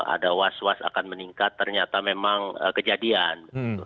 ada was was akan meningkat ternyata memang kejadian